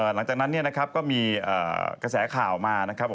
หลังจากนั้นเนี่ยนะครับก็มีกระแสข่าวมานะครับ